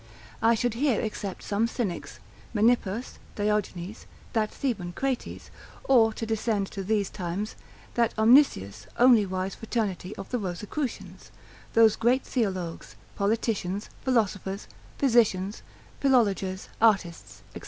I should here except some Cynics, Menippus, Diogenes, that Theban Crates; or to descend to these times, that omniscious, only wise fraternity of the Rosicrucians, those great theologues, politicians, philosophers, physicians, philologers, artists, &c.